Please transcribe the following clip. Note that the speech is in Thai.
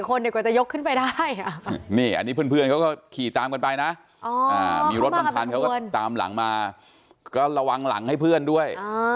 เขาก็ตามหลังมาก็ระวังหลังให้เพื่อนด้วย